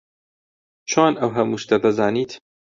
چۆن ئەو هەموو شتە دەزانیت؟